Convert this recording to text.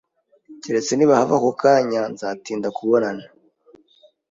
Keretse nibahava ako kanya, nzatinda kubonana.